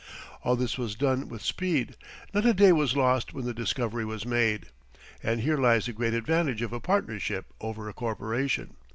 All this was done with speed; not a day was lost when the discovery was made. And here lies the great advantage of a partnership over a corporation.